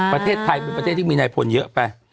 ประเทศไทยเป็นประเทศที่มีนายพลเยอะไป